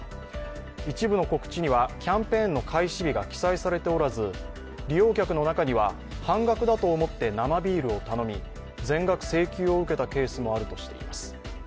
一部の告知にはキャンペーンの開始日が記載されておらず、利用客の中には、半額だと思って生ビールを頼み全額請求を受けたケースもあるとしています。